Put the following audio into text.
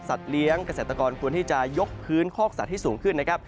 เลี้ยงเกษตรกรควรที่จะยกพื้นคอกสัตว์ให้สูงขึ้นนะครับ